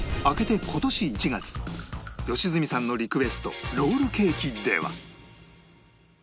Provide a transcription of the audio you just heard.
明けて今年１月良純さんのリクエストロールケーキでは